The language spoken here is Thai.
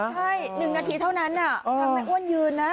ใช่๑นาทีเท่านั้นทางแม่อ้วนยืนนะ